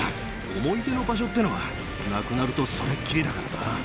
思い出の場所ってのは、なくなるとそれっきりだからな。